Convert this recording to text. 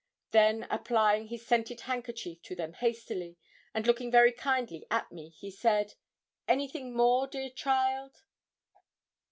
Then applying his scented handkerchief to them hastily, and looking very kindly at me, he said 'Anything more, dear child?'